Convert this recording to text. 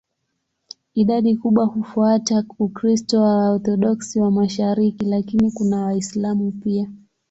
Idadi kubwa hufuata Ukristo wa Waorthodoksi wa mashariki, lakini kuna Waislamu pia.